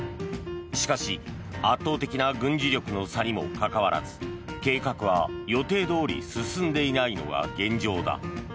しかし、圧倒的な軍事力の差にもかかわらず計画は予定どおり進んでいないのが現状だ。